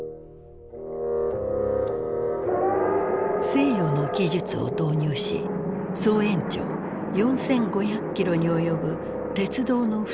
西洋の技術を導入し総延長４，５００キロに及ぶ鉄道の敷設を推進。